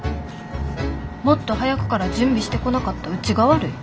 もっと早くから準備してこなかったうちが悪い。